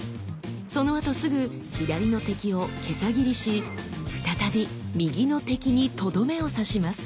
そのあとすぐ左の敵を袈裟斬りし再び右の敵にとどめを刺します。